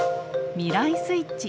「未来スイッチ」。